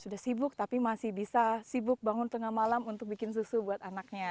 sudah sibuk tapi masih bisa sibuk bangun tengah malam untuk bikin susu buat anaknya